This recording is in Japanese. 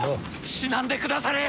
死なんでくだされや！